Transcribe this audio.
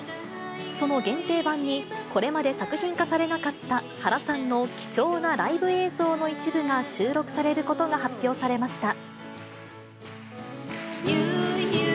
その限定版に、これまで作品化されなかった原さんの貴重なライブ映像の一部が収録されることが発表されました。